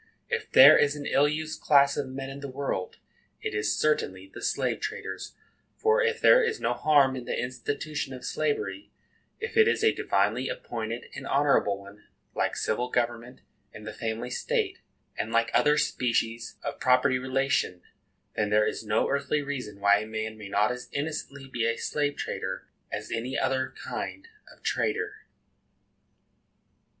If there is an ill used class of men in the world, it is certainly the slave traders; for, if there is no harm in the institution of slavery,—if it is a divinely appointed and honorable one, like civil government and the family state, and like other species of property relation,—then there is no earthly reason why a man may not as innocently be a slave trader as any other kind of trader. CHAPTER III. MR.